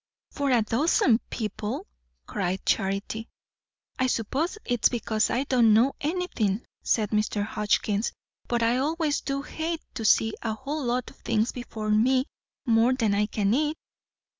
"For a dozen people!" cried Charity. "I suppose it's because I don't know anythin'," said Mr. Hotchkiss, "but I always du hate to see a whole lot o' things before me more'n I can eat!"